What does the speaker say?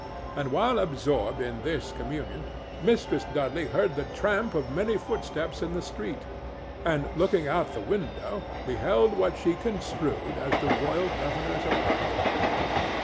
And while absorbed in this communion Mistress Dudley heard the tramp of many footsteps in the street, and, looking out at the window, beheld what she construed as the royal governor's arrival.